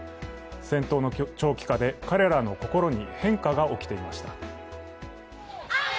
戦闘の長期化で彼らの心に変化が起きていました。